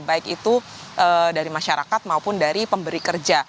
baik itu dari masyarakat maupun dari pemberi kerja